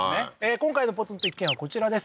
今回のポツンと一軒家はこちらです